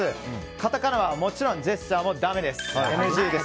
カタカナはもちろんジェスチャーはＮＧです。